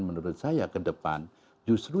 menurut saya ke depan justru